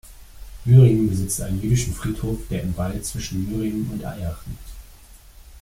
Mühringen besitzt einen jüdischen Friedhof, der im Wald zwischen Mühringen und Eyach liegt.